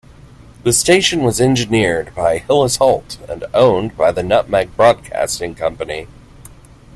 The station was engineered by Hillis Holt, and owned by the Nutmeg Broadcasting Company.